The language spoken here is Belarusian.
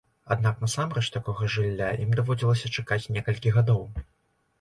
Аднак насамрэч такога жылля ім даводзілася чакаць некалькі гадоў.